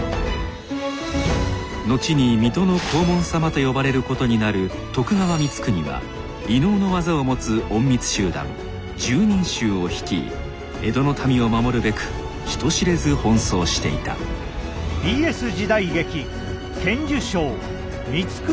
後に水戸の黄門様と呼ばれることになる徳川光圀は異能の技を持つ隠密集団拾人衆を率い江戸の民を守るべく人知れず奔走していた光圀の父